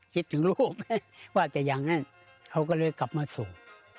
คิดถึงลูกไหมว่าจะอย่างนั้นเขาก็เลยกลับมาสู่